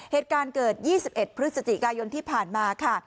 เหตุการณ์เกิด๒๑พฤศจิกายนที่ผ่านมาค่ะ